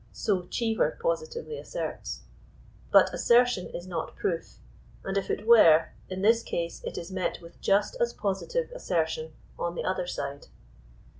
So Cheever positively asserts. But assertion is not proof, and if it were, in this case it is met with just as positive assertion on the other side.